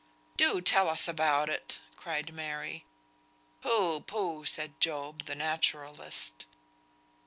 "Do tell us about it," cried Mary. "Pooh, pooh!" said Job the naturalist.